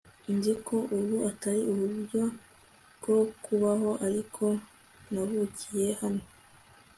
nzi ko ubu atari uburyo bwo kubaho ariko navukiye hano